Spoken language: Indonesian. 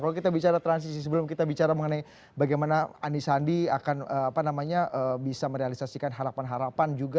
kalau kita bicara transisi sebelum kita bicara mengenai bagaimana ani sandi akan bisa merealisasikan harapan harapan juga